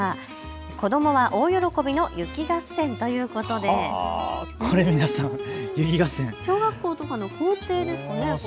子どもは大喜びの雪合戦ということでこれ皆さん雪合戦、小学校とかの校庭ですかね。